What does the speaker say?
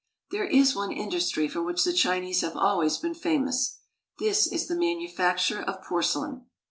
There is one industry for which the Chinese have always been famous. This is the manufacture of porcelain.